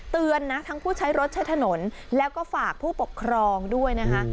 เตือนนะทั้งผู้ใช้รถใช้ถนนแล้วก็ฝากผู้ปกครองด้วยนะคะ